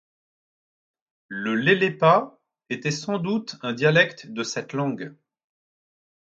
Le lelepa était sans doute un dialecte de cette langue.